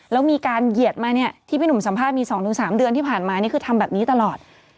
แล้วมีการเหยียดมาเนี่ยที่พี่หนุ่มสัมภาษณ์มี๒๓เดือนที่ผ่านมานี่คือทำแบบนี้ตลอด